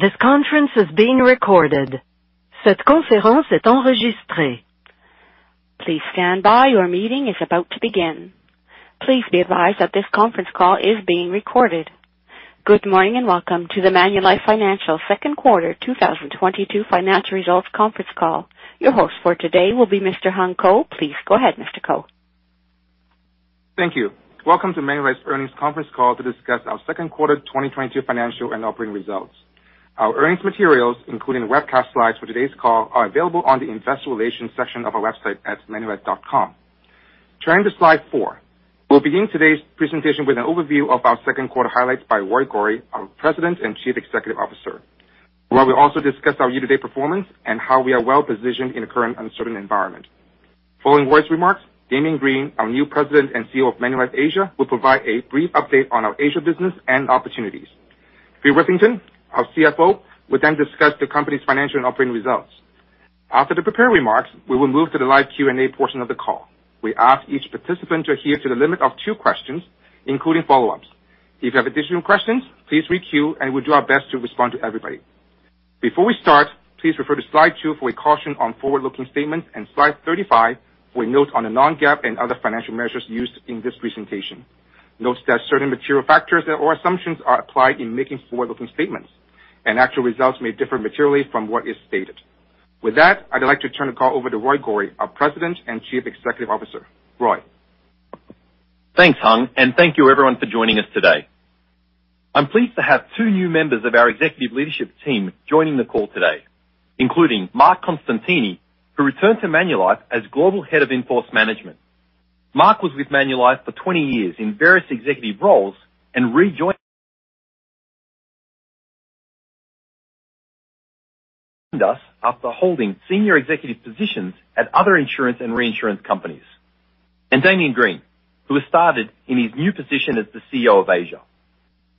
Please stand by. Your meeting is about to begin. Please be advised that this conference call is being recorded. Good morning, and welcome to the Manulife Financial Q2 2022 financial results conference call. Your host for today will be Mr. Hung Ko. Please go ahead, Mr. Ko. Thank you. Welcome to Manulife's earnings conference call to discuss our Q2 2022 financial and operating results. Our earnings materials, including the webcast slides for today's call are available on the investor relations section of our website at manulife.com. Turning to Slide 4. We'll begin today's presentation with an overview of our Q2 highlights by Roy Gori, our President and Chief Executive Officer, where we'll also discuss our year-to-date performance and how we are well-positioned in the current uncertain environment. Following Roy's remarks, Damien Green, our new President and CEO of Manulife Asia, will provide a brief update on our Asia business and opportunities. Phil Witherington, our CFO, will then discuss the company's financial and operating results. After the prepared remarks, we will move to the live Q&A portion of the call. We ask each participant to adhere to the limit of two questions, including follow-ups. If you have additional questions, please re-queue, and we'll do our best to respond to everybody. Before we start, please refer to Slide 2 for a caution on forward-looking statements and Slide 35 with note on the non-GAAP and other financial measures used in this presentation. Note that certain material factors or assumptions are applied in making forward-looking statements, and actual results may differ materially from what is stated. With that, I'd like to turn the call over to Roy Gori, our President and Chief Executive Officer. Roy. Thanks, Hung. Thank you, everyone, for joining us today. I'm pleased to have two new members of our executive leadership team joining the call today, including Marc Costantini, who returned to Manulife as Global Head of In-force Management. Mark was with Manulife for 20 years in various executive roles and rejoined us after holding senior executive positions at other insurance and reinsurance companies. Damien Green, who has started in his new position as the CEO of Asia.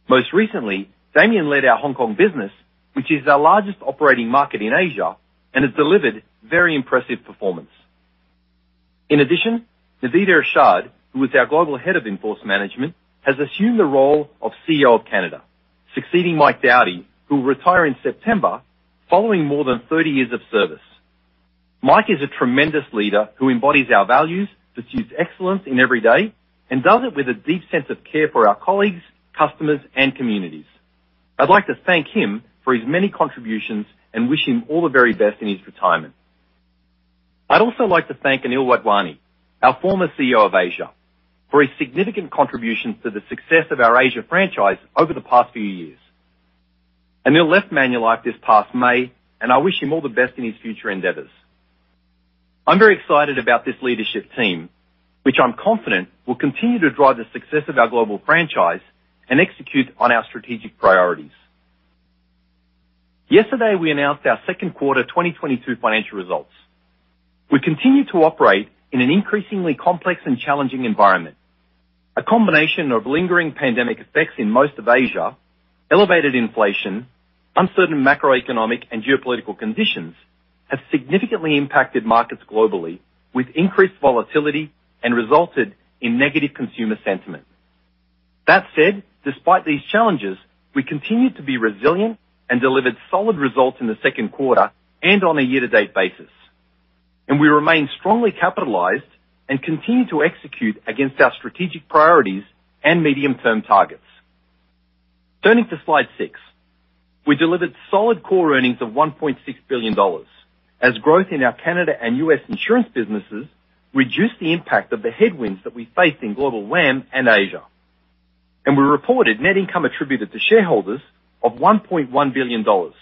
Most recently, Damien led our Hong Kong business, which is our largest operating market in Asia and has delivered very impressive performance. In addition, Naveed Irshad, who is our Global Head of In-force Management, has assumed the role of CEO of Canada, succeeding Mike Doughty, who will retire in September following more than 30 years of service. Mike is a tremendous leader who embodies our values, pursues excellence in every day, and does it with a deep sense of care for our colleagues, customers, and communities. I'd like to thank him for his many contributions and wish him all the very best in his retirement. I'd also like to thank Anil Wadhwani, our former CEO of Asia, for his significant contributions to the success of our Asia franchise over the past few years. Anil left Manulife this past May, and I wish him all the best in his future endeavors. I'm very excited about this leadership team, which I'm confident will continue to drive the success of our global franchise and execute on our strategic priorities. Yesterday, we announced our Q2 2022 financial results. We continue to operate in an increasingly complex and challenging environment. A combination of lingering pandemic effects in most of Asia, elevated inflation, uncertain macroeconomic and geopolitical conditions have significantly impacted markets globally with increased volatility and resulted in negative consumer sentiment. That said, despite these challenges, we continued to be resilient and delivered solid results in Q2 and on a year-to-date basis. We remain strongly capitalized and continue to execute against our strategic priorities and medium-term targets. Turning to Slide 6. We delivered solid core earnings of 1.6 billion dollars, as growth in our Canada and U.S. insurance businesses reduced the impact of the headwinds that we faced in Global WAM and Asia. We reported net income attributed to shareholders of 1.1 billion dollars,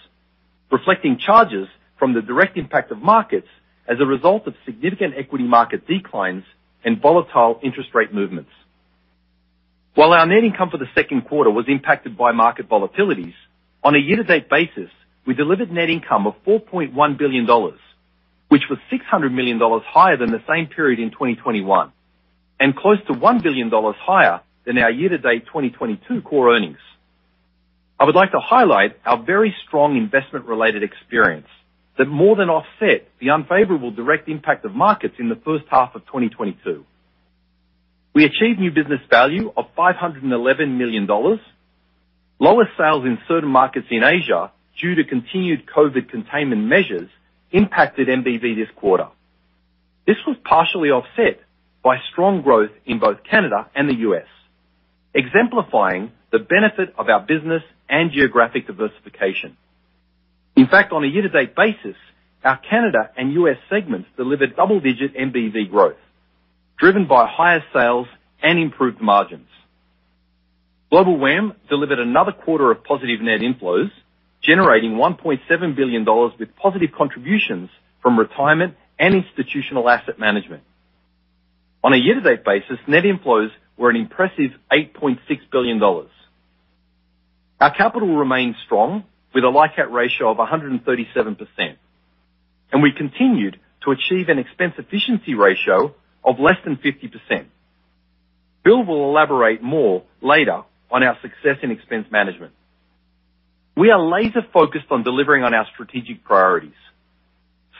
reflecting charges from the direct impact of markets as a result of significant equity market declines and volatile interest rate movements. While our net income for Q2 was impacted by market volatilities, on a year-to-date basis, we delivered net income of 4.1 billion dollars, which was 600 million dollars higher than the same period in 2021, and close to 1 billion dollars higher than our year-to-date 2022 core earnings. I would like to highlight our very strong investment-related experience that more than offset the unfavorable direct impact of markets in the first half of 2022. We achieved new business value of 511 million dollars. Lower sales in certain markets in Asia due to continued COVID containment measures impacted NBV this quarter. This was partially offset by strong growth in both Canada and the US, exemplifying the benefit of our business and geographic diversification. In fact, on a year-to-date basis, our Canada and US segments delivered double-digit NBV growth, driven by higher sales and improved margins. Global WAM delivered another quarter of positive net inflows, generating CAD 1.7 billion with positive contributions from retirement and institutional asset management. On a year-to-date basis, net inflows were an impressive 8.6 billion dollars. Our capital remains strong with a LICAT ratio of 137%, and we continued to achieve an expense efficiency ratio of less than 50%. Phil will elaborate more later on our success in expense management. We are laser-focused on delivering on our strategic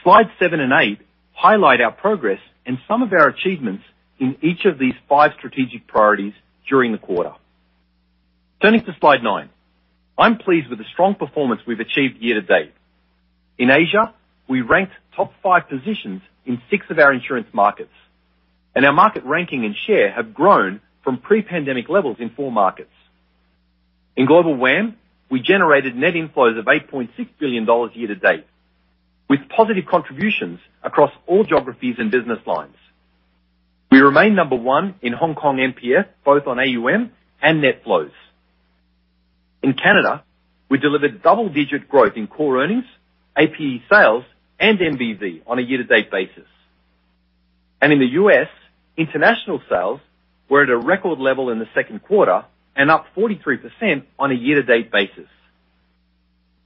Slide 7 and 8 highlight our progress and some of our achievements in each of these 5 strategic priorities during the quarter. Turning to Slide 9. I'm pleased with the strong performance we've achieved year to date. In Asia, we ranked top five positions in six of our insurance markets, and our market ranking and share have grown from pre-pandemic levels in four markets. In Global WAM, we generated net inflows of 8.6 billion dollars year to date, with positive contributions across all geographies and business lines. We remain number one in Hong Kong MPF, both on AUM and net flows. In Canada, we delivered double-digit growth in core earnings, APE sales, and the NBV on a year to date basis. In the US, international sales were at a record level in Q2 and up 43% on a year to date basis.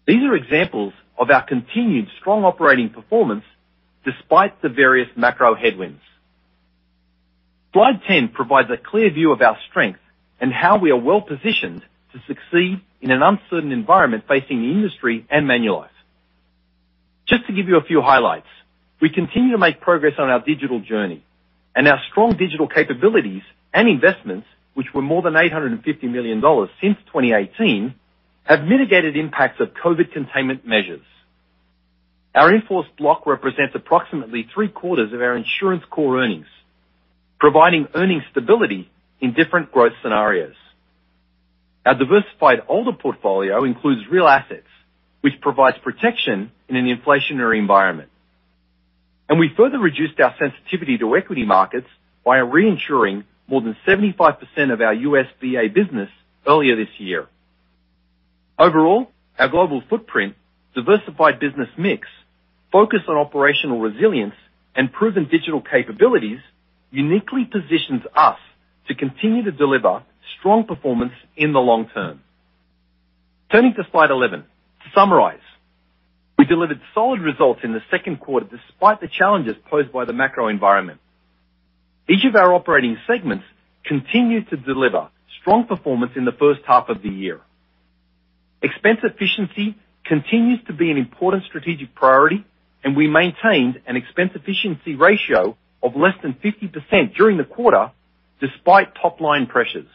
These are examples of our continued strong operating performance despite the various macro Slide 10 provides a clear view of our strength and how we are well-positioned to succeed in an uncertain environment facing the industry and Manulife. Just to give you a few highlights, we continue to make progress on our digital journey and our strong digital capabilities and investments, which were more than 850 million dollars since 2018, have mitigated impacts of COVID containment measures. Our in-force block represents approximately three-quarters of our insurance core earnings, providing earnings stability in different growth scenarios. Our diversified all-weather portfolio includes real assets, which provides protection in an inflationary environment. We further reduced our sensitivity to equity markets by reinsuring more than 75% of our US VA business earlier this year. Overall, our global footprint, diversified business mix, focus on operational resilience, and proven digital capabilities uniquely positions us to continue to deliver strong performance in the long-term. Turning to Slide 11. To summarize, we delivered solid results in Q2 despite the challenges posed by the macro environment. Each of our operating segments continued to deliver strong performance in the first half of the year. Expense efficiency continues to be an important strategic priority, and we maintained an expense efficiency ratio of less than 50% during the quarter despite top line pressures.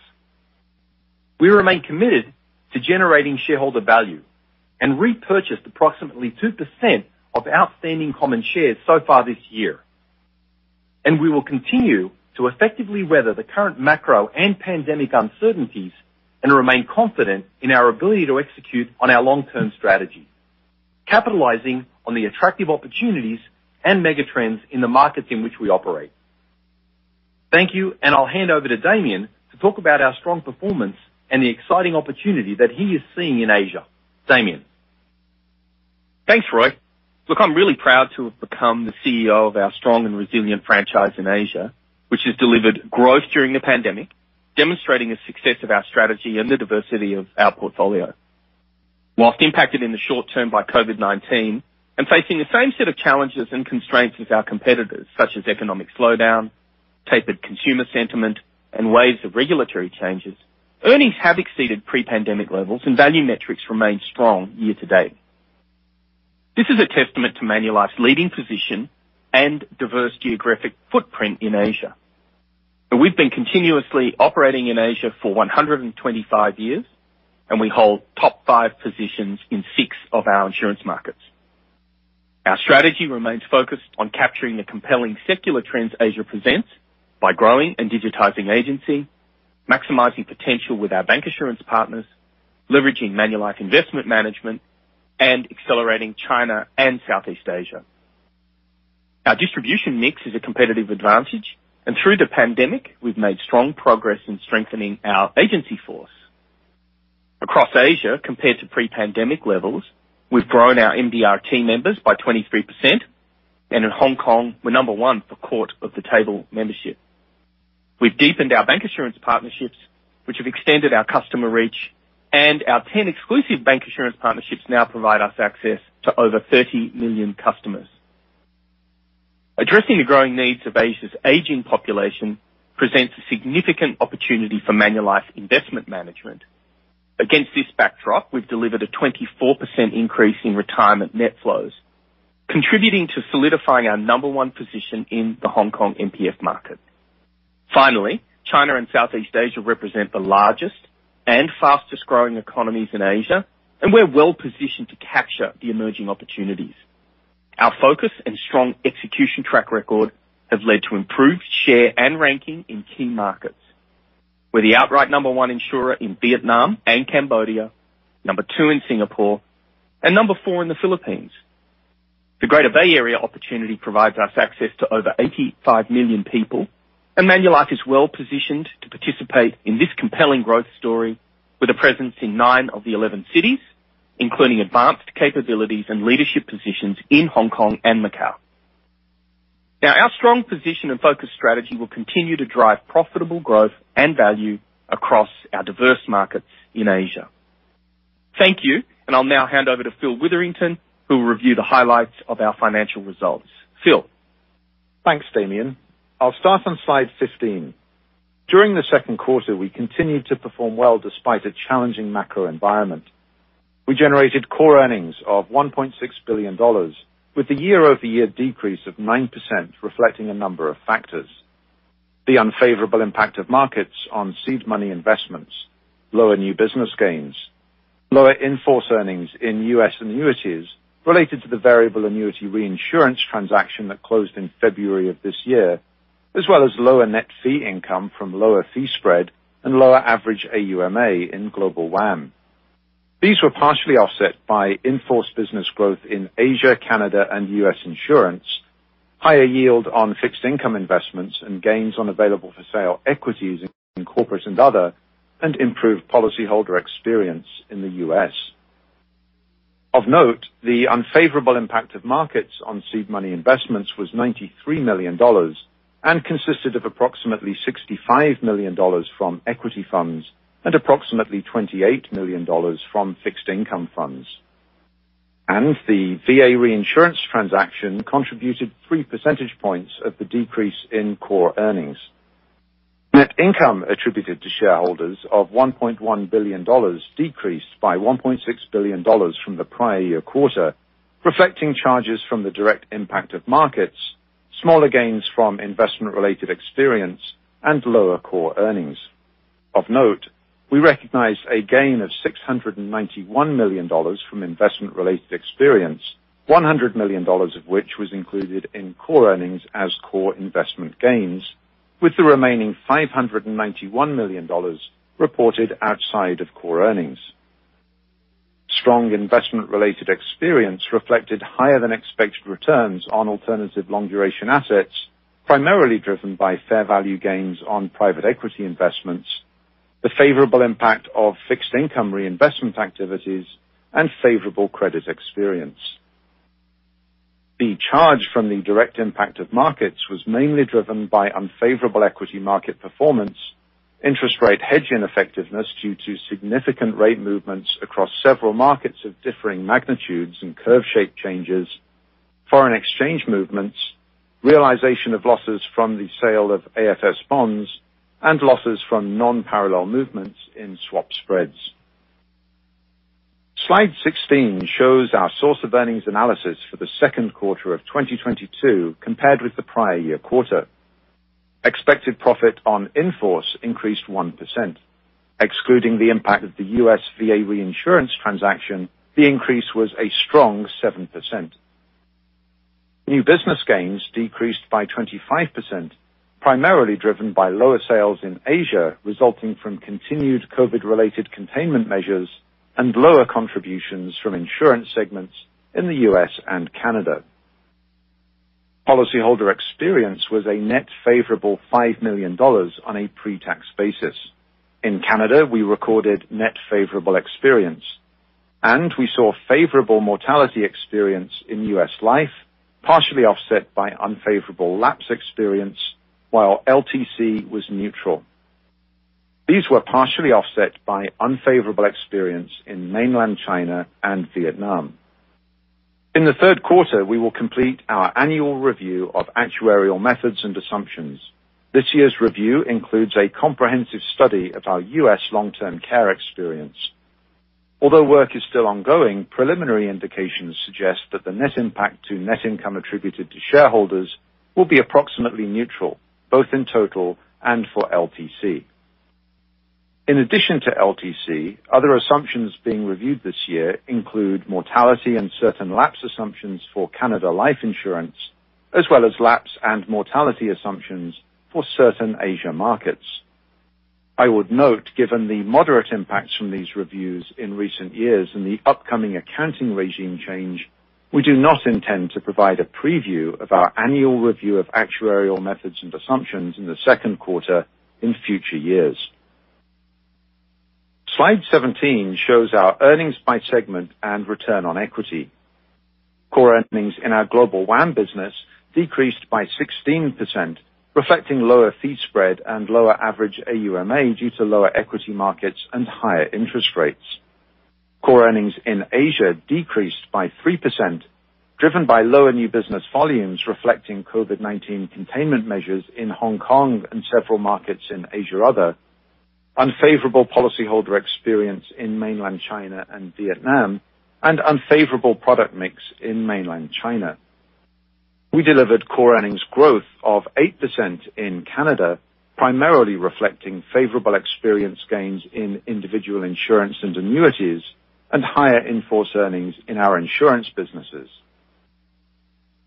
We remain committed to generating shareholder value and repurchased approximately 2% of outstanding common shares so far this year. We will continue to effectively weather the current macro and pandemic uncertainties and remain confident in our ability to execute on our long-term strategy, capitalizing on the attractive opportunities and mega trends in the markets in which we operate. Thank you, and I'll hand over to Damien to talk about our strong performance and the exciting opportunity that he is seeing in Asia. Damien? Thanks, Roy. Look, I'm really proud to have become the CEO of our strong and resilient franchise in Asia, which has delivered growth during the pandemic, demonstrating the success of our strategy and the diversity of our portfolio. While impacted in the short-term by COVID-19 and facing the same set of challenges and constraints as our competitors, such as economic slowdown, tapered consumer sentiment, and waves of regulatory changes, earnings have exceeded pre-pandemic levels and value metrics remain strong year to date. This is a testament to Manulife's leading position and diverse geographic footprint in Asia. We've been continuously operating in Asia for 125 years, and we hold top five positions in six of our insurance markets. Our strategy remains focused on capturing the compelling secular trends Asia presents by growing and digitizing agency, maximizing potential with our bank insurance partners, leveraging Manulife Investment Management, and accelerating China and Southeast Asia. Our distribution mix is a competitive advantage, and through the pandemic, we've made strong progress in strengthening our agency force. Across Asia, compared to pre-pandemic levels, we've grown our MDRT members by 23%, and in Hong Kong, we're number one for Court of the Table membership. We've deepened our bank insurance partnerships, which have extended our customer reach, and our 10 exclusive bank insurance partnerships now provide us access to over 30 million customers. Addressing the growing needs of Asia's aging population presents a significant opportunity for Manulife Investment Management. Against this backdrop, we've delivered a 24% increase in retirement net flows, contributing to solidifying our number one position in the Hong Kong MPF market. Finally, China and Southeast Asia represent the largest and fastest growing economies in Asia, and we're well-positioned to capture the emerging opportunities. Our focus and strong execution track record have led to improved share and ranking in key markets. We're the outright number one insurer in Vietnam and Cambodia, number two in Singapore, and number four in the Philippines. The Greater Bay Area opportunity provides us access to over 85 million people, and Manulife is well-positioned to participate in this compelling growth story with a presence in nine of the 11 cities, including advanced capabilities and leadership positions in Hong Kong and Macau. Now, our strong position and focus strategy will continue to drive profitable growth and value across our diverse markets in Asia. Thank you, and I'll now hand over to Phil Witherington, who will review the highlights of our financial results. Phil? Thanks, Damien. I'll start on Slide 15. During Q2, we continued to perform well despite a challenging macro environment. We generated core earnings of 1.6 billion dollars with the year-over-year decrease of 9% reflecting a number of factors. The unfavorable impact of markets on seed money investments, lower new business gains, lower in-force earnings in U.S. annuities related to the variable annuity reinsurance transaction that closed in February of this year, as well as lower net fee income from lower fee spread and lower average AUMA in Global WAM. These were partially offset by in-force business growth in Asia, Canada and U.S. insurance, higher yield on fixed income investments and gains on available for sale equities in corporates and other and improved policyholder experience in the U.S. Of note, the unfavorable impact of markets on seed money investments was 93 million dollars and consisted of approximately 65 million dollars from equity funds and approximately 28 million dollars from fixed income funds. The VA reinsurance transaction contributed three percentage points of the decrease in core earnings. Net income attributed to shareholders of 1.1 billion dollars decreased by 1.6 billion dollars from the prior year quarter, reflecting charges from the direct impact of markets, smaller gains from investment related experience and lower core earnings. Of note, we recognized a gain of 691 million dollars from investment related experience, 100 million dollars of which was included in core earnings as core investment gains, with the remaining 591 million dollars reported outside of core earnings. Strong investment related experience reflected higher than expected returns on alternative long duration assets, primarily driven by fair value gains on private equity investments, the favorable impact of fixed income reinvestment activities and favorable credit experience. The charge from the direct impact of markets was mainly driven by unfavorable equity market performance, interest rate hedging effectiveness due to significant rate movements across several markets of differing magnitudes and curve shape changes, foreign exchange movements, realization of losses from the sale of AFS bonds and losses from non-parallel movements in swap spreads. Slide 16 shows our source of earnings analysis for Q2 of 2022 compared with the prior year quarter. Expected profit on in-force increased 1%. Excluding the impact of the U.S. VA reinsurance transaction, the increase was a strong 7%. New business gains decreased by 25%, primarily driven by lower sales in Asia, resulting from continued COVID-related containment measures and lower contributions from insurance segments in the US and Canada. Policyholder experience was a net favorable 5 million dollars on a pre-tax basis. In Canada, we recorded net favorable experience, and we saw favorable mortality experience in US Life, partially offset by unfavorable lapse experience, while LTC was neutral. These were partially offset by unfavorable experience in mainland China and Vietnam. In Q3, we will complete our annual review of actuarial methods and assumptions. This year's review includes a comprehensive study of our US long-term care experience. Although work is still ongoing, preliminary indications suggest that the net impact to net income attributed to shareholders will be approximately neutral, both in total and for LTC. In addition to LTC, other assumptions being reviewed this year include mortality and certain lapse assumptions for Canada Life Insurance, as well as lapse and mortality assumptions for certain Asia markets. I would note, given the moderate impacts from these reviews in recent years and the upcoming accounting regime change, we do not intend to provide a preview of our annual review of actuarial methods and assumptions in Q2 in future years. Slide 17 shows our earnings by segment and return on equity. Core earnings in our Global WAM business decreased by 16%, reflecting lower fee spread and lower average AUMA due to lower equity markets and higher interest rates. Core earnings in Asia decreased by 3%, driven by lower new business volumes reflecting COVID-19 containment measures in Hong Kong and several markets in other Asia, unfavorable policyholder experience in mainland China and Vietnam, and unfavorable product mix in mainland China. We delivered core earnings growth of 8% in Canada, primarily reflecting favorable experience gains in individual insurance and annuities and higher in-force earnings in our insurance businesses.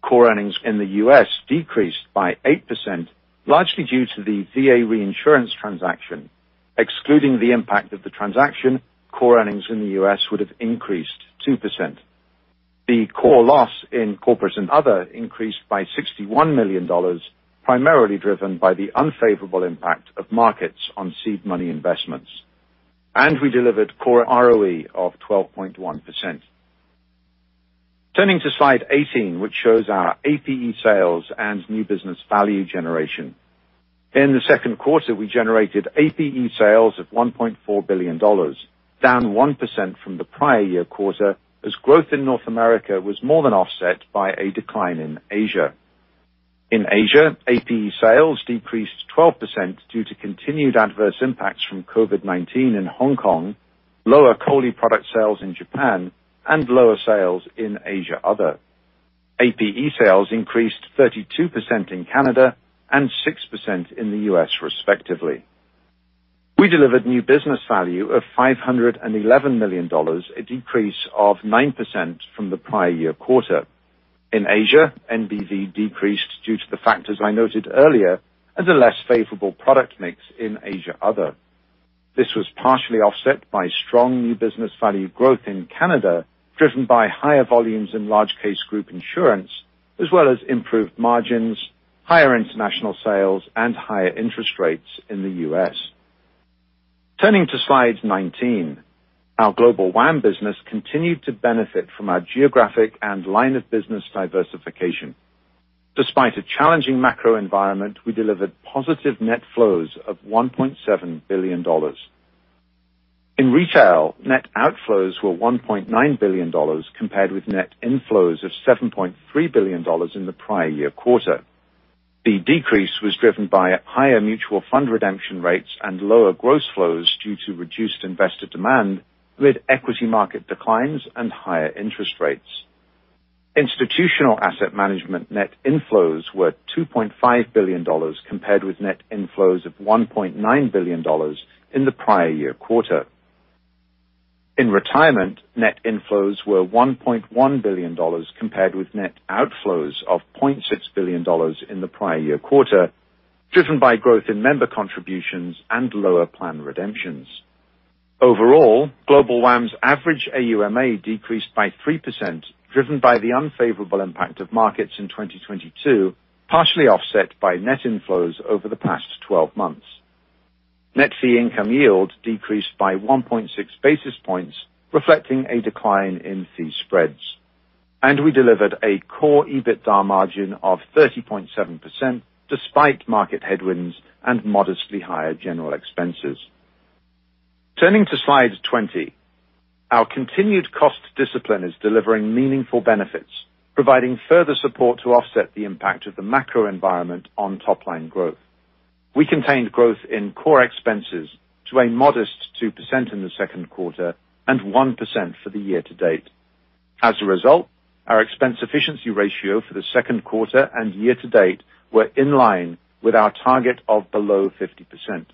Core earnings in the US decreased by 8%, largely due to the VA reinsurance transaction. Excluding the impact of the transaction, core earnings in the US would have increased 2%. The core loss in corporates and other increased by 61 million dollars, primarily driven by the unfavorable impact of markets on seed money investments. We delivered core ROE of 12.1%. Turning to Slide 18, which shows our APE sales and new business value generation. In Q2, we generated APE sales of 1.4 billion dollars, down 1% from the prior-year quarter, as growth in North America was more than offset by a decline in Asia. In Asia, APE sales decreased 12% due to continued adverse impacts from COVID-19 in Hong Kong, lower COLI product sales in Japan, and lower sales in Asia Other. APE sales increased 32% in Canada and 6% in the U.S., respectively. We delivered new business value of 511 million dollars, a decrease of 9% from the prior-year quarter. In Asia, NBV decreased due to the factors I noted earlier as a less favorable product mix in Asia Other. This was partially offset by strong new business value growth in Canada, driven by higher volumes in large case group insurance, as well as improved margins, higher international sales, and higher interest rates in the U.S. Turning to Slide 19. Our Global WAM business continued to benefit from our geographic and line of business diversification. Despite a challenging macro environment, we delivered positive net flows of $1.7 billion. In retail, net outflows were $1.9 billion, compared with net inflows of $7.3 billion in the prior year quarter. The decrease was driven by higher mutual fund redemption rates and lower gross flows due to reduced investor demand amid equity market declines and higher interest rates. Institutional asset management net inflows were $2.5 billion compared with net inflows of $1.9 billion in the prior year quarter. In retirement, net inflows were 1.1 billion dollars compared with net outflows of 0.6 billion dollars in the prior year quarter, driven by growth in member contributions and lower plan redemptions. Overall, Global WAM's average AUMA decreased by 3%, driven by the unfavorable impact of markets in 2022, partially offset by net inflows over the past 12 months. Net fee income yield decreased by 1.6 basis points, reflecting a decline in fee spreads. We delivered a core EBITDA margin of 30.7% despite market headwinds and modestly higher general expenses. Turning to Slide 20. Our continued cost discipline is delivering meaningful benefits, providing further support to offset the impact of the macro environment on top line growth. We contained growth in core expenses to a modest 2% in Q2 and 1% for the year to date. As a result, our expense efficiency ratio for Q2 and year to date were in line with our target of below 50%.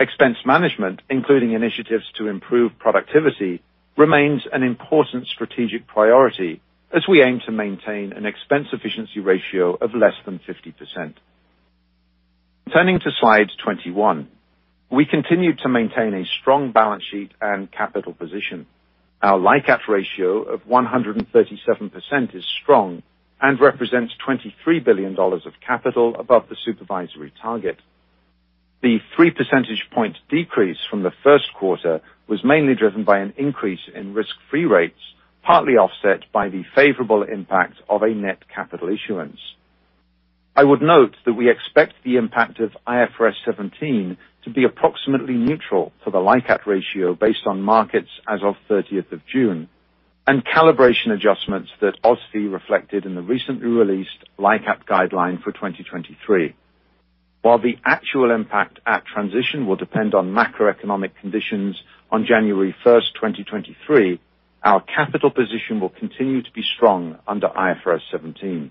Expense management, including initiatives to improve productivity, remains an important strategic priority as we aim to maintain an expense efficiency ratio of less than 50%. Turning to Slide 21. We continue to maintain a strong balance sheet and capital position. Our LICAT ratio of 137% is strong and represents 23 billion dollars of capital above the supervisory target. The 3 percentage point decrease from Q1 was mainly driven by an increase in risk-free rates, partly offset by the favorable impact of a net capital issuance. I would note that we expect the impact of IFRS 17 to be approximately neutral for the LICAT ratio based on markets as of June 30th and calibration adjustments that OSFI reflected in the recently released LICAT guideline for 2023. While the actual impact at transition will depend on macroeconomic conditions on January 1st, 2023, our capital position will continue to be strong under IFRS 17.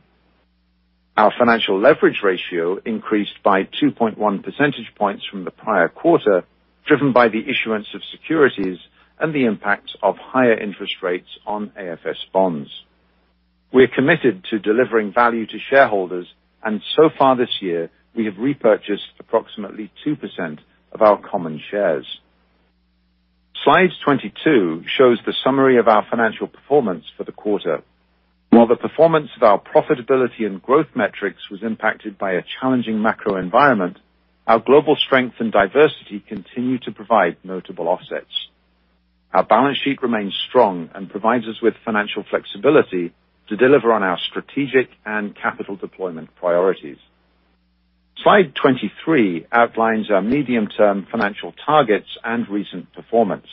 Our financial leverage ratio increased by 2.1 percentage points from the prior quarter, driven by the issuance of securities and the impact of higher interest rates on AFS bonds. We are committed to delivering value to shareholders, and so far this year, we have repurchased approximately 2% of our common shares. Slide 22 shows the summary of our financial performance for the quarter. While the performance of our profitability and growth metrics was impacted by a challenging macro environment, our global strength and diversity continued to provide notable offsets. Our balance sheet remains strong and provides us with financial flexibility to deliver on our strategic and capital deployment priorities. Slide 23 outlines our medium-term financial targets and recent performance.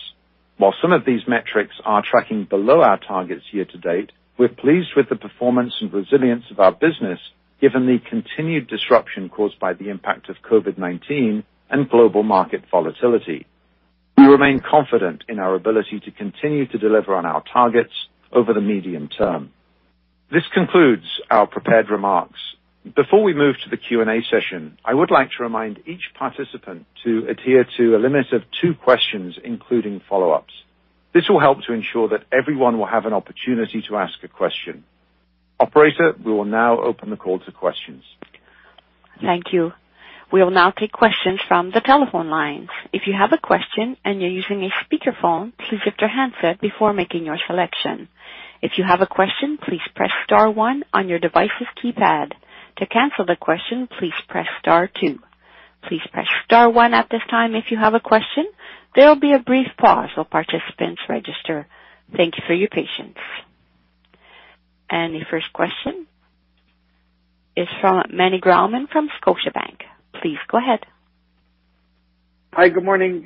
While some of these metrics are tracking below our targets year to date, we're pleased with the performance and resilience of our business, given the continued disruption caused by the impact of COVID-19 and global market volatility. We remain confident in our ability to continue to deliver on our targets over the medium term. This concludes our prepared remarks. Before we move to the Q&A session, I would like to remind each participant to adhere to a limit of two questions, including follow-ups. This will help to ensure that everyone will have an opportunity to ask a question. Operator, we will now open the call to questions. Thank you. We will now take questions from the telephone lines. If you have a question and you're using a speakerphone, please lift your handset before making your selection. If you have a question, please press star one on your device's keypad. To cancel the question, please press star two. Please press star one at this time if you have a question. There will be a brief pause while participants register. Thank you for your patience. The first question is from Meny Grauman from Scotiabank. Please go ahead. Hi, good morning.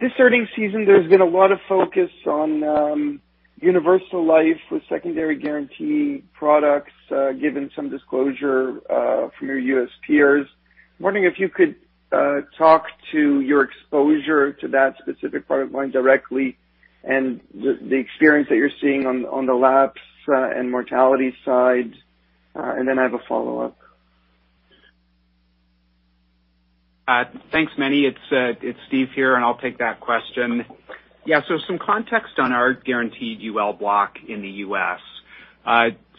This earnings season, there's been a lot of focus on universal life with secondary guarantee products, given some disclosure from your U.S. peers. Wondering if you could talk to your exposure to that specific product line directly and the experience that you're seeing on the lapse and mortality side. I have a follow-up. Thanks, Manny. It's Steve here, and I'll take that question. Some context on our guaranteed UL block in the US.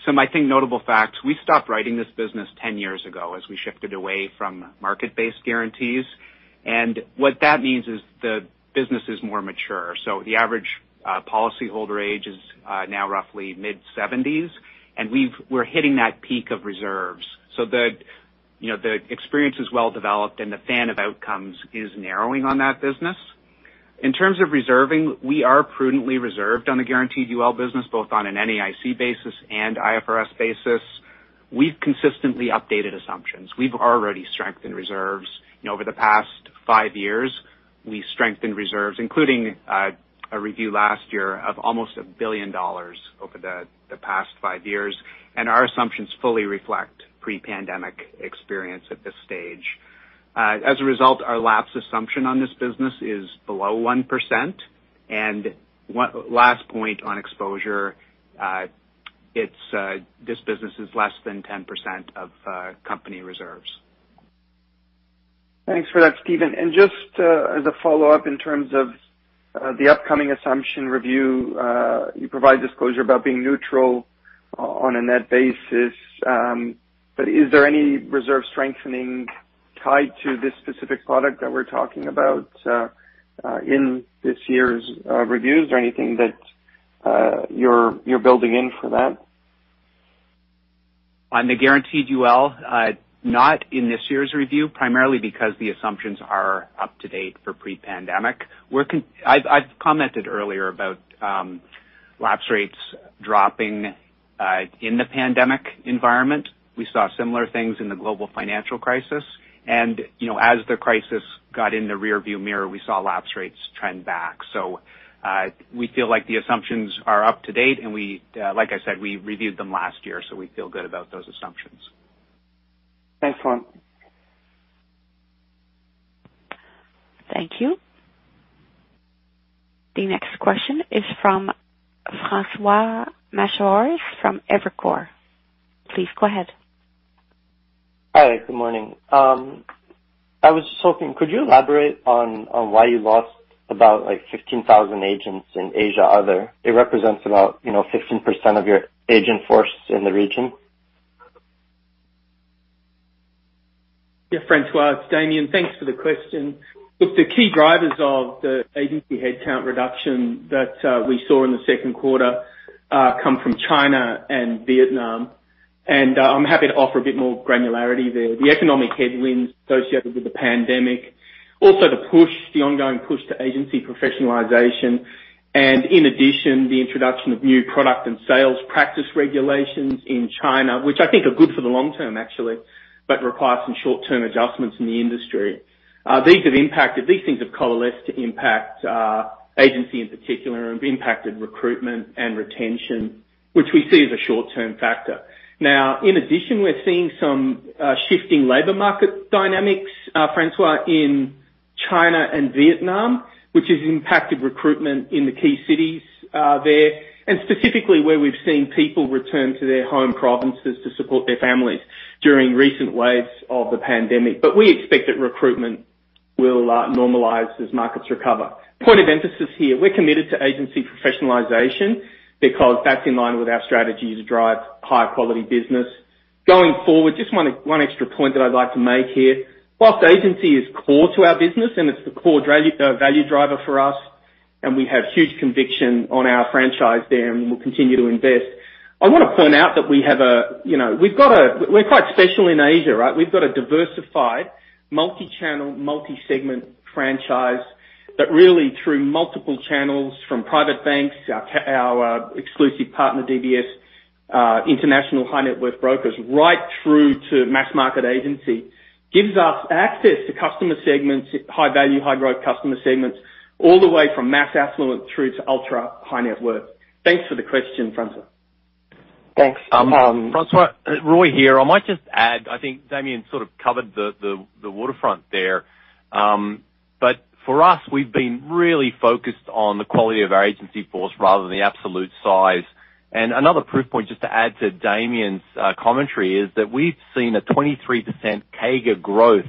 Some notable facts. We stopped writing this business 10 years ago as we shifted away from market-based guarantees. What that means is the business is more mature. The average policyholder age is now roughly mid-seventies, and we're hitting that peak of reserves. The experience is well developed, and the fan of outcomes is narrowing on that business. In terms of reserving, we are prudently reserved on the guaranteed UL business, both on an NAIC basis and IFRS basis. We've consistently updated assumptions. We've already strengthened reserves. over the past five years, we've strengthened reserves, including a review last year of almost $1 billion over the past five years. Our assumptions fully reflect pre-pandemic experience at this stage. As a result, our lapse assumption on this business is below 1%. One last point on exposure, this business is less than 10% of company reserves. Thanks for that, Steven. Just as a follow-up in terms of the upcoming assumption review, you provide disclosure about being neutral on a net basis, but is there any reserve strengthening tied to this specific product that we're talking about in this year's review? Is there anything that you're building in for that? On the guaranteed UL, not in this year's review, primarily because the assumptions are up to date for pre-pandemic. I've commented earlier about lapse rates dropping in the pandemic environment. We saw similar things in the global financial crisis. As the crisis got in the rearview mirror, we saw lapse rates trend back. We feel like the assumptions are up to date, and, like I said, we reviewed them last year, so we feel good about those assumptions. Thanks a lot. Thank you. The next question is from François Macheras from Evercore. Please go ahead. Hi. Good morning. I was just hoping, could you elaborate on why you lost about 15,000 agents in Asia overall? It represents about, 15% of your agent force in the region. Yes, François, it's Damien. Thanks for the question. Look, the key drivers of the agency headcount reduction that we saw in Q2 come from China and Vietnam. I'm happy to offer a bit more granularity there. The economic headwinds associated with the pandemic, also the ongoing push to agency professionalization, and in addition, the introduction of new product and sales practice regulations in China, which I think are good for the long-term, actually, but require some short-term adjustments in the industry. These things have coalesced to impact agency in particular and impacted recruitment and retention, which we see as a short-term factor. Now, in addition, we're seeing some shifting labor market dynamics, François, in China and Vietnam, which has impacted recruitment in the key cities there, and specifically where we've seen people return to their home provinces to support their families during recent waves of the pandemic. We expect that recruitment will normalize as markets recover. Point of emphasis here, we're committed to agency professionalization because that's in line with our strategy to drive high-quality business. Going forward, just one extra point that I'd like to make here. Whilst agency is core to our business, and it's the core value driver for us, and we have huge conviction on our franchise there, and we'll continue to invest. I want to point out that we're quite special in Asia, right? We've got a diversified multi-channel, multi-segment franchise that really through multiple channels from private banks, our exclusive partner, DBS, international high net worth brokers, right through to mass market agency, gives us access to customer segments, high value, high growth customer segments, all the way from mass affluent through to ultra high net worth. Thanks for the question, François. Thanks. François, Roy here. I might just add, I think Damien covered the waterfront there. For us, we've been really focused on the quality of our agency force rather than the absolute size. Another proof point, just to add to Damien's commentary, is that we've seen a 23% CAGR growth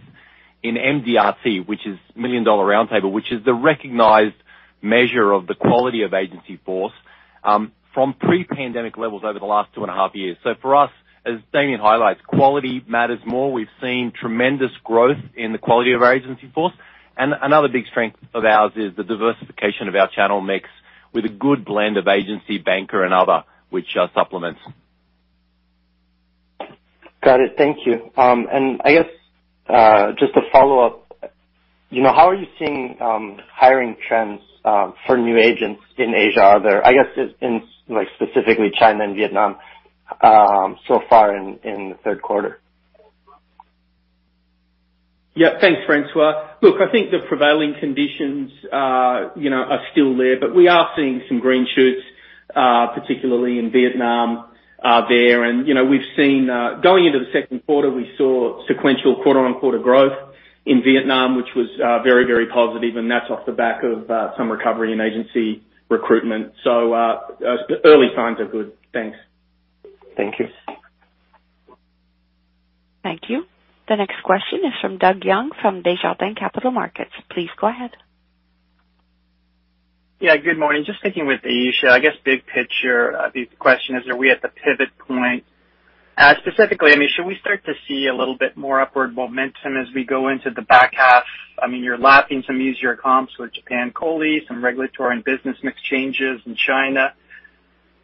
in MDRT, which is Million Dollar Round Table, which is the recognized measure of the quality of agency force, from pre-pandemic levels over the last 2.5 years. For us, as Damien highlights, quality matters more. We've seen tremendous growth in the quality of our agency force. Another big strength of ours is the diversification of our channel mix with a good blend of agency, banking and other, which are supplements. Got it. Thank you. Just to follow up, how are you seeing hiring trends for new agents in Asia? I guess, in specifically China and Vietnam, so far in Q3? Yes. Thanks, François. Look, I think the prevailing conditions are still there, but we are seeing some green shoots, particularly in Vietnam, there. Going into Q2, we saw sequential quarter-on-quarter growth in Vietnam, which was, very, very positive, and that's off the back of some recovery in agency recruitment. Early signs are good. Thanks. Thank you. Thank you. The next question is from Doug Young from Desjardins Capital Markets. Please go ahead. Yes, good morning. Just sticking with Asia, I guess big picture, the question is, are we at the pivot point? Specifically, should we start to see a little bit more upward momentum as we go into the back half? You're lapping some easier comps with Japan COLI, some regulatory and business mix changes in China.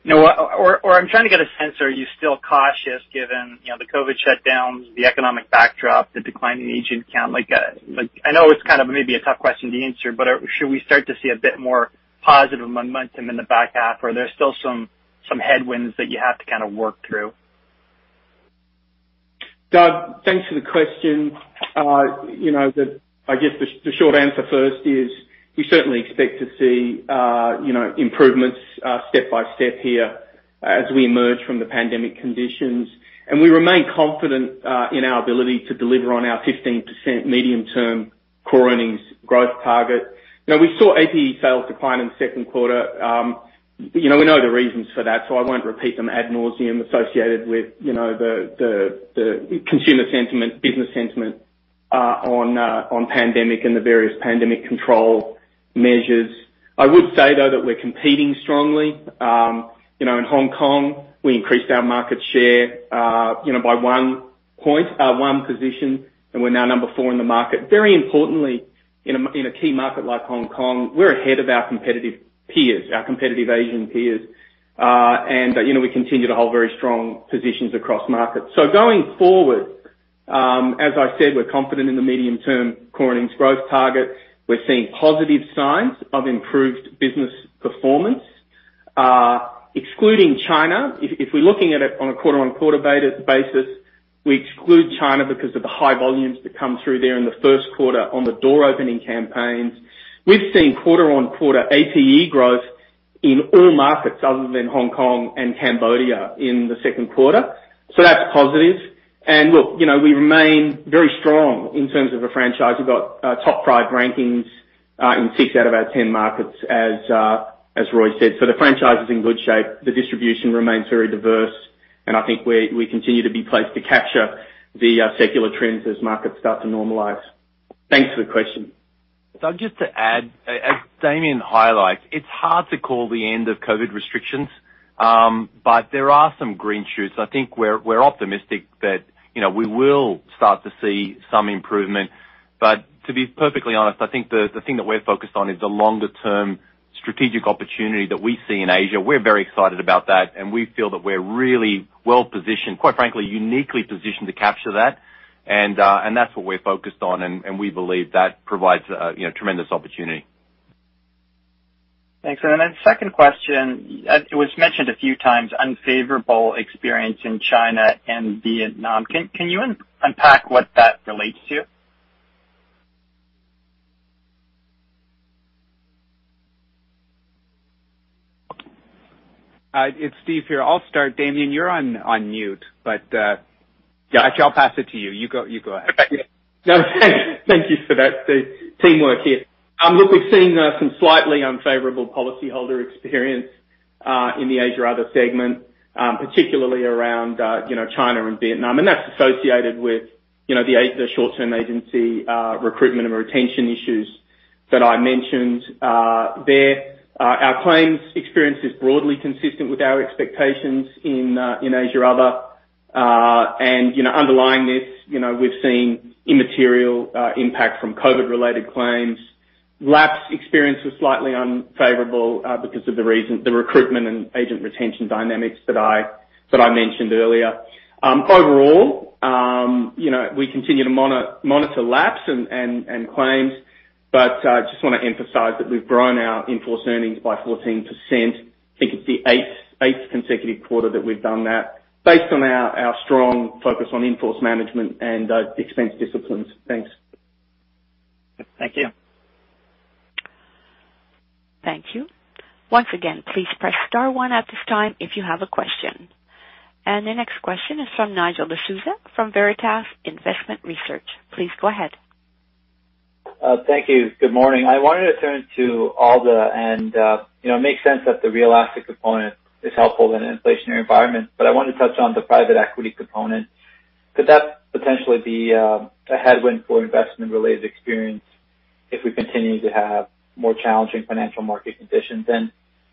I'm trying to get a sense, are you still cautious given the COVID shutdowns, the economic backdrop, and the decline in agent count? I know it's maybe a tough question to answer, but should we start to see a bit more positive momentum in the back half, or are there still some headwinds that you have to work through? Doug, thanks for the question. The short answer first is we certainly expect to see improvements step-by-step here as we emerge from the pandemic conditions. We remain confident in our ability to deliver on our 15% medium-term core earnings growth target. We saw APE sales decline in Q2. We know the reasons for that. I won't repeat them ad nauseam associated with the consumer sentiment, business sentiment on the pandemic and the various pandemic control measures. I would say, though, that we're competing strongly. In Hong Kong, we increased our market share, by one point, one position, and we're now number four in the market. Very importantly, in a key market like Hong Kong, we're ahead of our competitive peers, our competitive Asian peers. We continue to hold very strong positions across markets. Going forward, as I said, we're confident in the medium-term core earnings growth target. We're seeing positive signs of improved business performance. Excluding China, if we're looking at it on a quarter-on-quarter basis, we exclude China because of the high volumes that come through there in Q1 on the door opening campaigns. We've seen quarter-on-quarter APE growth in all markets other than Hong Kong and Cambodia in Q2. That's positive. Look, we remain very strong in terms of a franchise. We've got top five rankings in six out of our 10 markets, as Roy said. The franchise is in good shape. The distribution remains very diverse, and I think we continue to be well placed to capture the secular trends as markets start to normalize. Thanks for the question. Doug, just to add, as Damien highlights, it's hard to call the end of COVID restrictions, but there are some green shoots. I think we're optimistic that we will start to see some improvement. To be perfectly honest, I think the thing that we're focused on is the longer term strategic opportunity that we see in Asia. We're very excited about that, and we feel that we're really well-positioned, quite frankly, uniquely positioned to capture that. That's what we're focused on, and we believe that provides a tremendous opportunity. Thanks. Second question. It was mentioned a few times, unfavorable experience in China and Vietnam. Can you unpack what that relates to? It's Steven here. I'll start. Damien, you're on mute, but I shall pass it to you. You go ahead. No, thank you for that, Steve. Teamwork here. Look, we're seeing some slightly unfavorable policyholder experience in the Asia Other segment, particularly around China and Vietnam, and that's associated with the short-term agency recruitment and retention issues that I mentioned there. Our claims experience is broadly consistent with our expectations in Asia Other. Underlying this, we've seen immaterial impact from COVID-related claims. Lapse experience was slightly unfavorable because of the reason, the recruitment and agent retention dynamics that I mentioned earlier. Overall, we continue to monitor lapse and claims, but just want to emphasize that we've grown our in-force earnings by 14%. I think it's the eighth consecutive quarter that we've done that based on our strong focus on in-force management and expense disciplines. Thanks. Thank you. Thank you. Once again, please press star one at this time if you have a question. The next question is from Nigel D'Souza from Veritas Investment Research. Please go ahead. Thank you. Good morning. I wanted to turn to ALDA and it makes sense that the real asset component is helpful in an inflationary environment, but I want to touch on the private equity component. Could that potentially be a headwind for investment-related experience if we continue to have more challenging financial market conditions?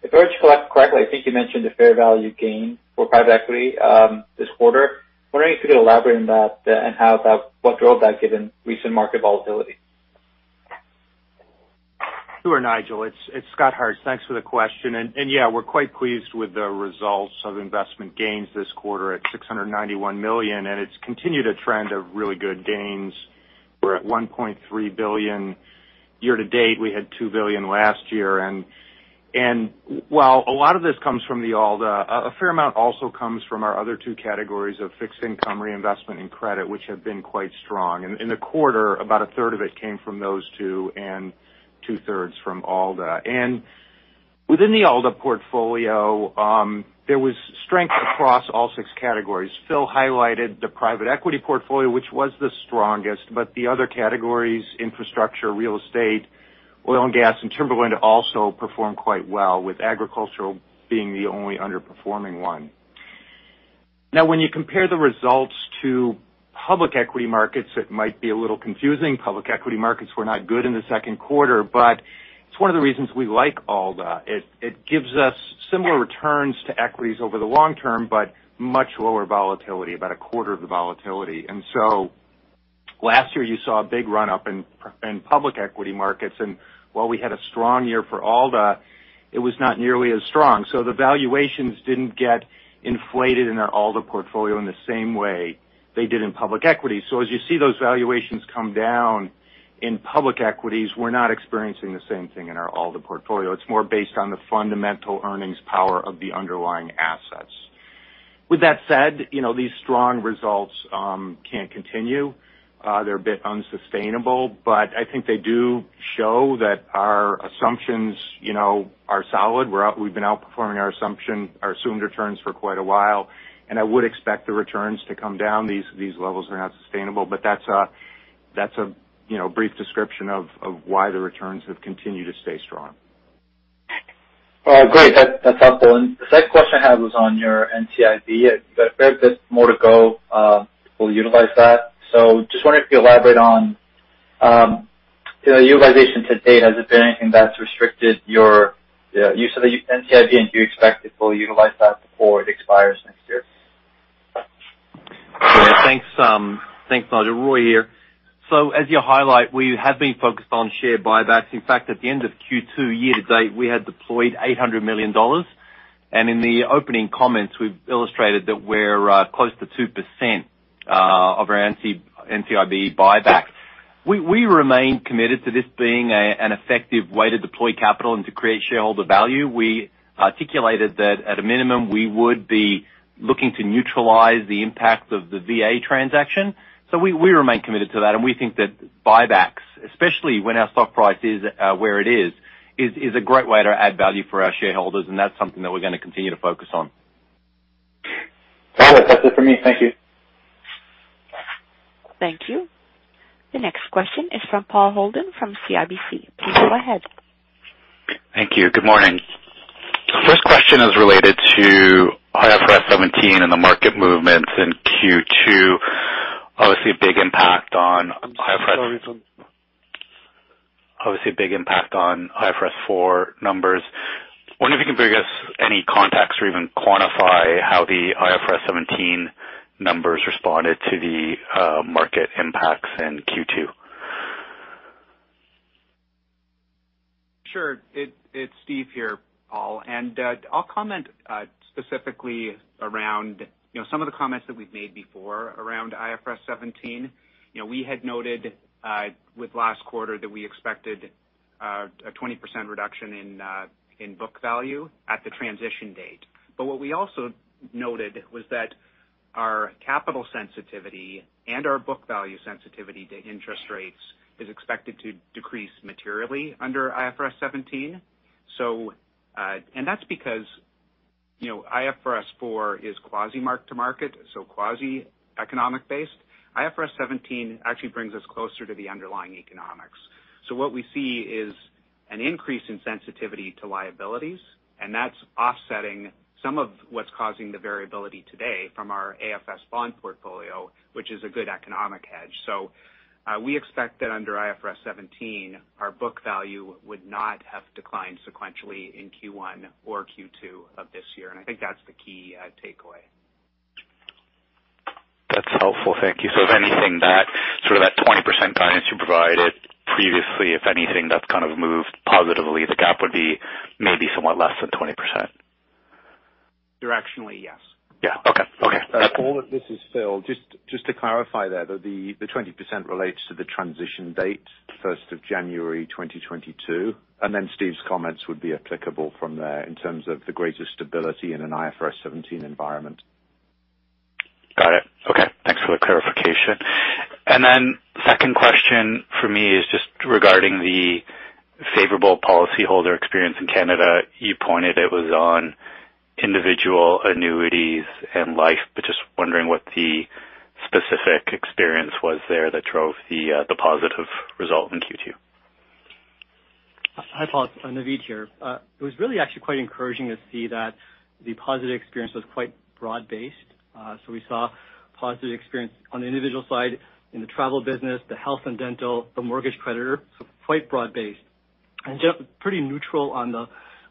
If I heard you correctly, I think you mentioned the fair value gain for private equity this quarter. Wondering if you could elaborate on that and what drove that given recent market volatility? Sure, Nigel. It's Scott Hartz. Thanks for the question. We're quite pleased with the results of investment gains this quarter at 691 million, and it's continued a trend of really good gains. We're at 1.3 billion year to date. We had 2 billion last year. While a lot of this comes from the ALDA, a fair amount also comes from our other two categories of fixed income reinvestment and credit, which have been quite strong. In the quarter, about a third of it came from those two and two thirds from ALDA. Within the ALDA portfolio, there was strength across all six categories. Phil highlighted the private equity portfolio, which was the strongest, but the other categories, infrastructure, real estate, oil and gas, and timberland also performed quite well, with agricultural being the only underperforming one. Now, when you compare the results to public equity markets, it might be a little confusing. Public equity markets were not good in Q2, but it's one of the reasons we like ALDA. It gives us similar returns to equities over the long-term, but much lower volatility, about a quarter of the volatility. Last year, you saw a big run up in public equity markets. While we had a strong year for ALDA, it was not nearly as strong. The valuations didn't get inflated in our ALDA portfolio in the same way they did in public equity. As you see those valuations come down in public equities, we're not experiencing the same thing in our ALDA portfolio. It's more based on the fundamental earnings power of the underlying assets. With that said, these strong results can't continue. They're a bit unsustainable, but I think they do show that our assumptions are solid. We've been outperforming our assumption, our assumed returns for quite a while, and I would expect the returns to come down. These levels are not sustainable, but that's a brief description of why the returns have continued to stay strong. Great. That's helpful. The second question I had was on your NCIB. You've got a fair bit more to go before you utilize that. Just wondering if you elaborate on utilization to date. Has there been anything that's restricted your use of the NCIB? Do you expect it will utilize that before it expires next year? Yes, thanks, Nigel. Roy here. As you highlight, we have been focused on share buybacks. In fact, at the end of Q2 year to date, we had deployed 800 million dollars. In the opening comments, we've illustrated that we're close to 2% of our NCIB buyback. We remain committed to this being an effective way to deploy capital and to create shareholder value. We articulated that at a minimum, we would be looking to neutralize the impact of the VA transaction. We remain committed to that, and we think that buybacks, especially when our stock price is where it is a great way to add value for our shareholders, and that's something that we're going to continue to focus on. Got it. That's it for me. Thank you. Thank you. The next question is from Paul Holden from CIBC. Please go ahead. Thank you. Good morning. First question is related to IFRS 17 and the market movements in Q2. Obviously, a big impact on IFRS 4 numbers. Wondering if you can give us any context or even quantify how the IFRS 17 numbers responded to the market impacts in Q2? It's Steve here, Paul. I'll comment specifically around, some of the comments that we've made before around IFRS 17. We had noted with last quarter that we expected a 20% reduction in book value at the transition date. What we also noted was that our capital sensitivity and our book value sensitivity to interest rates is expected to decrease materially under IFRS 17. That's because, IFRS 4 is quasi mark-to-market, so quasi economic based. IFRS 17 actually brings us closer to the underlying economics. What we see is an increase in sensitivity to liabilities, and that's offsetting some of what's causing the variability today from our AFS bond portfolio, which is a good economic hedge. We expect that under IFRS 17, our book value would not have declined sequentially in Q1 or Q2 of this year. I think that's the key takeaway. That's helpful. Thank you. If anything, that 20% guidance you provided previously, if anything that's moved positively, the gap would be maybe somewhat less than 20%. Directionally, yes. Okay. Paul, this is Phil. Just to clarify there that the 20% relates to the transition date, January 1st, 2022, and then Steve's comments would be applicable from there in terms of the greater stability in an IFRS 17 environment. Got it. Okay. Thanks for the clarification. Second question for me is just regarding the favorable policyholder experience in Canada. You pointed it was on individual annuities and life, but just wondering what the specific experience was there that drove the positive result in Q2. Hi, Paul. Naveed here. It was really actually quite encouraging to see that the positive experience was quite broad-based. We saw positive experience on the individual side in the travel business, the health and dental, the mortgage creditor, so quite broad-based. Pretty neutral on the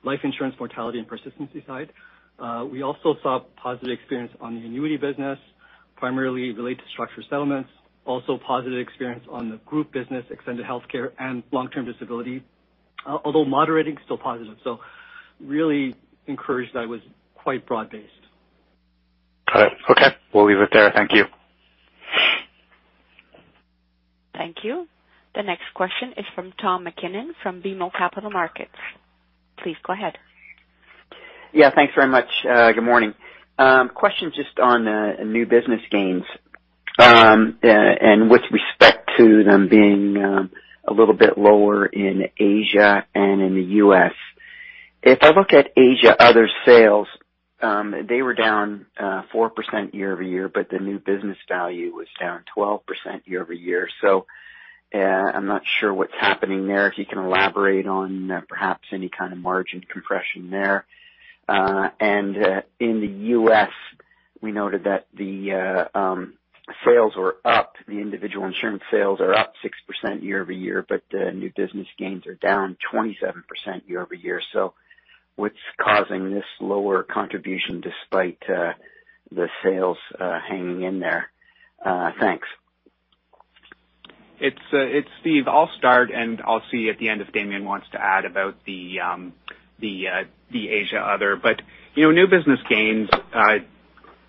life insurance mortality and persistency side. We also saw positive experience on the annuity business. Primarily relate to structured settlements, also positive experience on the group business, extended healthcare and long-term disability. Although moderating is still positive. Really encouraged that was quite broad-based. Got it. Okay, we'll leave it there. Thank you. Thank you. The next question is from Tom MacKinnon from BMO Capital Markets. Please go ahead. Yes, thanks very much. Good morning. Question just on new business gains and with respect to them being a little bit lower in Asia and in the US. If I look at Asia, other sales, they were down 4% year-over-year, but the new business value was down 12% year-over-year. I'm not sure what's happening there. If you can elaborate on perhaps any margin compression there. In the US, we noted that the sales are up, the individual insurance sales are up 6% year-over-year, but the new business gains are down 27% year-over-year. What's causing this lower contribution despite the sales hanging in there? Thanks. It's Steve. I'll start, and I'll see at the end if Damien wants to add about the Asia other. New business gains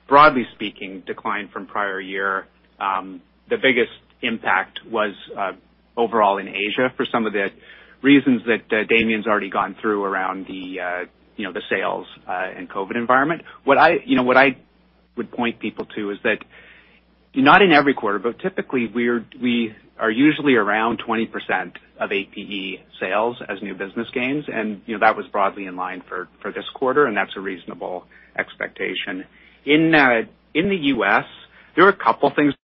broadly speaking declined from prior year. The biggest impact was overall in Asia for some of the reasons that Damien's already gone through around the sales and COVID environment. What I would point people to is that not in every quarter, but typically we are usually around 20% of APE sales as new business gains. That was broadly in line for this quarter, and that's a reasonable expectation. In the US, there were a couple of things-